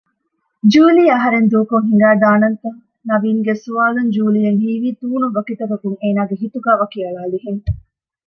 ޖޫލީ އަހަރެން ދޫކޮށް ހިނގައިދާނަންތަ؟ ނަވީންގެ އެސުވާލުން ޖޫލީއަށް ހީވީ ތޫނުވަކިތަކަކުން އޭނާގެ ހިތުގައި ވަކިއަޅާލިހެން